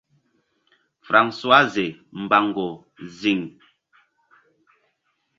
Francoise mbango ziŋ.